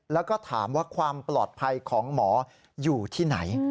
แล้วก็ถามว่าความปลอดภัยของหมออยู่ที่ไหน